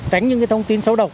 tránh những cái thông tin xấu độc